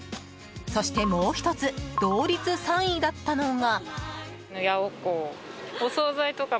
そして、もう１つ同率３位だったのが。